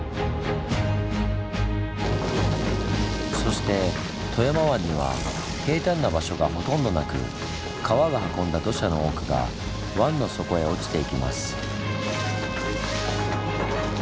そして富山湾には平たんな場所がほとんどなく川が運んだ土砂の多くが湾の底へ落ちていきます。